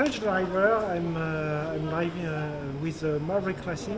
saya seorang pembalap bahasa french saya berjalan dengan maverick classing